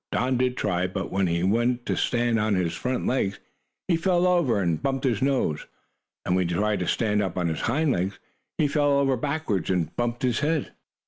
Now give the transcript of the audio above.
Don did try, but when he wanted to stand on his front legs, he fell over and bumped his nose. And when he tried to stand on his hind legs, he fell over backward and bumped his head.